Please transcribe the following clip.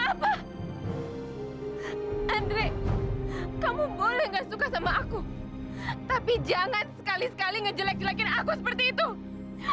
apa kamu sebetulnya yang udah nyesel nyakitin perasaan dewi